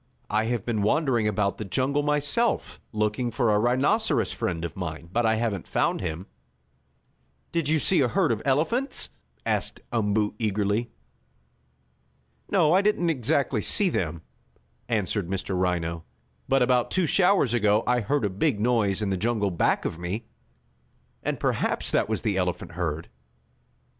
"I have been wandering about the jungle myself, looking for a rhinoceros friend of mine, but I haven't found him." "Did you see a herd of elephants?" asked Umboo eagerly. "No, I didn't exactly see them," answered Mr. Rhino, "but about two showers ago I heard a big noise in the jungle back of me, and perhaps that was the elephant herd."